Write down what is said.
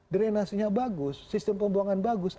drenasinya bagus sistem pembuangan bagus